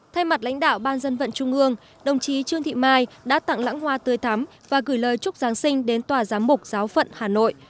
thay mặt lãnh đạo ban dân vận trung ương đồng chí trương thị mai đã tặng lãng hoa tươi thắm và gửi lời chúc giáng sinh đến tòa giám mục giáo phận hà nội